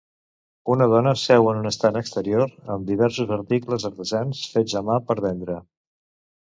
Una dona seu en un estand exterior amb diversos articles artesans fets a mà per vendre.